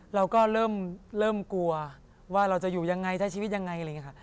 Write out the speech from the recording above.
เราก็เริ่มกลัวว่าเราจะอยู่ยังไงใช้ชีวิตยังไง